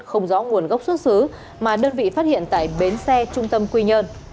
không rõ nguồn gốc xuất xứ mà đơn vị phát hiện tại bến xe trung tâm quy nhơn